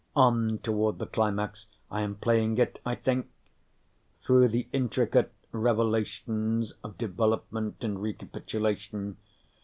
On toward the climax I am playing it, I think through the intricate revelations of development and recapitulation.